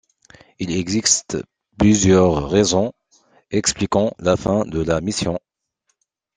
Il existe plusieurs raisons expliquant la fin de la mission.